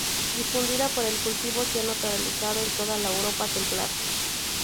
Difundida por el cultivo, se ha naturalizado en toda la Europa templada.